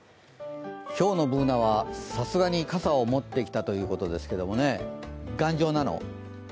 今日のＢｏｏｎａは、さすがに傘を持ってきたということですけどね、頑丈なの？